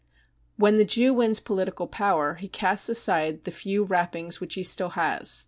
cc When the Jew wins political power he casts aside the few wrappings which he still has.